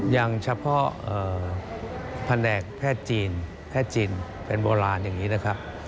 อย่างเฉพาะแผนกแพทย์จีนแพทย์จีนเป็นโบราณอย่างนี้นะครับ